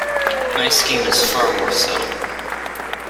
My scheme is far more subtle.